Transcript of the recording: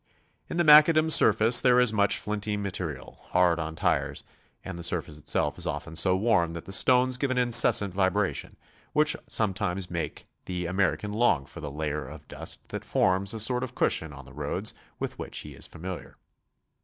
In the macafdam surface there is much flinty material, hard on tires, and the surface itself is often so worn that the stones give an incessant vibration, w*hich sometimes make the American long for the layer of dust that forms a sort of cushion on the roads with which he is familiar.